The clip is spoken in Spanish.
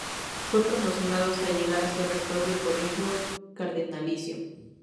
Fue promocionado hasta llegar a ser rector del Colegio cardenalicio.